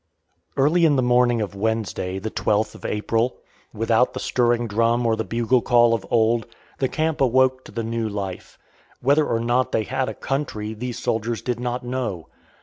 Early in the morning of Wednesday, the 12th of April, without the stirring drum or the bugle call of old, the camp awoke to the new life. Whether or not they had a country these soldiers did not know.